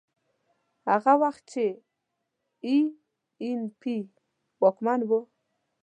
هغه وخت چې اي این پي واکمن و.